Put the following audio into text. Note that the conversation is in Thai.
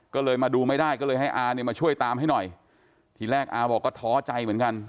ก็เลยมาดูไม่ได้ก็เลยให้อาเนี่ยมาช่วยตามให้หน่อยทีแรกอาบอกก็ท้อใจเหมือนกัน